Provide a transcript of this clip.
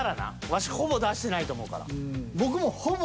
ワシほぼ出してないと思うから。